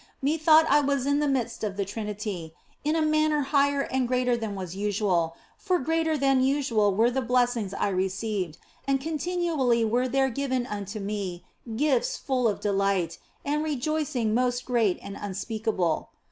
Methought I was in the midst of the Trinity, in a manner higher and greater than was usual, for greater than usual were the blessings I re ceived, and continually were there given unto me gifts full of delight, and rejoicing most great and unspeakable.